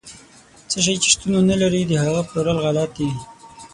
څه شی چې شتون ونه لري، د هغه پلورل غلط دي.